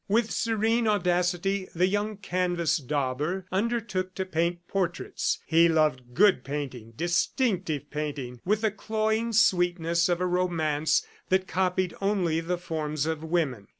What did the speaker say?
With serene audacity, the young canvas dauber undertook to paint portraits. He loved good painting, "distinctive" painting, with the cloying sweetness of a romance, that copied only the forms of women.